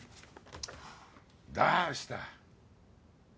どうした。